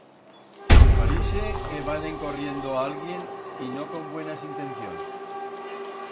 Parixe que van encorriendo a alguien, y no con buenas intencions.